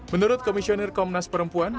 menurut komisionir komnas perempuan